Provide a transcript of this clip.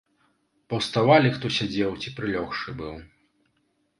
Паўставалі, хто сядзеў ці прылёгшы быў.